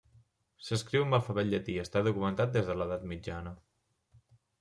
S'escriu amb l'alfabet llatí i està documentat des de l'edat mitjana.